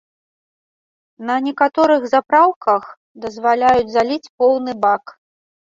На некаторых запраўках дазваляюць заліць поўны бак.